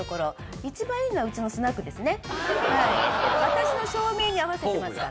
私の照明に合わせてますから。